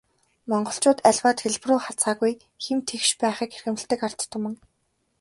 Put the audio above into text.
Монголчууд аливаад хэлбэрүү хазгайгүй, хэм тэгш байхыг эрхэмлэдэг ард түмэн.